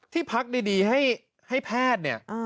ที่พักดีให้แพทย์เนี่ย